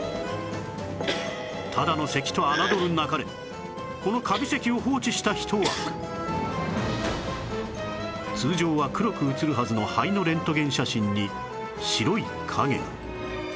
ただの咳と侮るなかれこの通常は黒く写るはずの肺のレントゲン写真に白い影が